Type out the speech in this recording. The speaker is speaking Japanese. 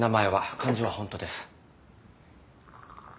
漢字はホントです。